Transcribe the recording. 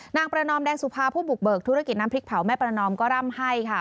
ประนอมแดงสุภาผู้บุกเบิกธุรกิจน้ำพริกเผาแม่ประนอมก็ร่ำให้ค่ะ